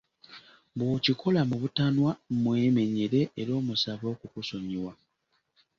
Bw’okikola mu butanwa mwemenyere era omusabe okukusonyiwa.